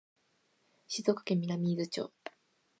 静岡県南伊豆町